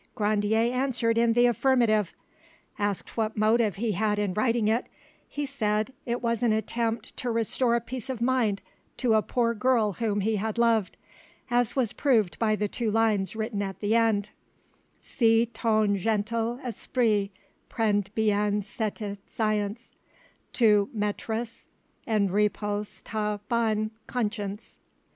Grandier answered in the affirmative. Asked what motive he had in writing it, he said it was an attempt to restore peace of mind to a poor girl whom he had loved, as was proved by the two lines written at the end: "Si ton gentil esprit prend bien cette science, Tu mettras en repos ta bonne conscience."